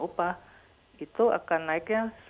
upah itu akan naiknya